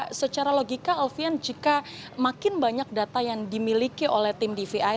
nah secara logika alfian jika makin banyak data yang dimiliki oleh tim dvi